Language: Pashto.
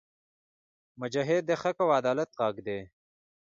مجاهد د حق او عدالت غږ دی.